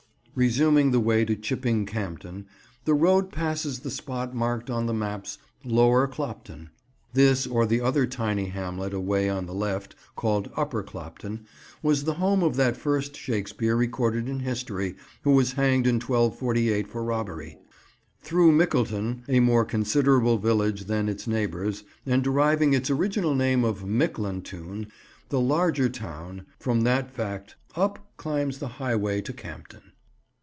Resuming the way to Chipping Campden, the road passes the spot marked on the maps "Lower Clopton." This, or the other tiny hamlet away on the left, called "Upper Clopton," was the home of that first Shakespeare recorded in history, who was hanged in 1248 for robbery. Through Mickleton, a more considerable village than its neighbours, and deriving its original name of "Mycclantune," the "larger town," from that fact, up climbs the highway to Campden.